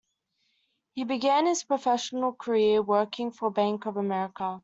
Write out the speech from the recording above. He began his professional career working for Bank of America.